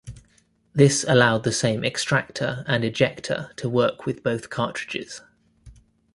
This allowed the same extractor and ejector to work with both cartridges.